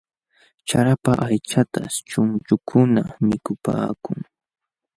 Charapa aychataśh chunchukuna mikupaakun.